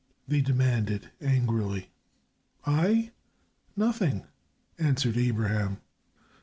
they demanded, angrily. "I? Nothing," answered Abraham.